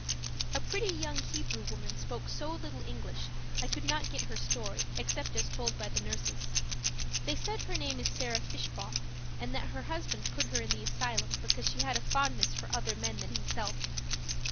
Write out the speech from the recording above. A pretty young Hebrew woman spoke so little English I could not get her story except as told by the nurses. They said her name is Sarah Fishbaum, and that her husband put her in the asylum because she had a fondness for other men than himself.